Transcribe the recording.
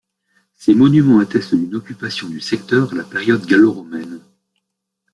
Ces monuments attestent d’une occupation du secteur à la période gallo-romaine.